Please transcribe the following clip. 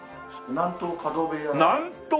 南東角部屋！